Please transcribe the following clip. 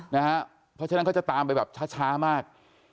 เพราะฉะนั้นเขาจะตามไปแบบช้ามาก